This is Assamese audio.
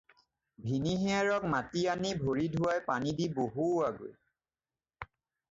ভিনীহিয়েৰক মাতি আনি ভৰি ধুবলৈ পানী দি বহুৱাগৈ।